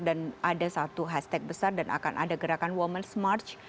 dan ada satu hashtag besar dan akan ada gerakan women's march